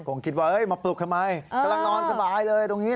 คงคิดว่ามาปลุกทำไมกำลังนอนสบายเลยตรงนี้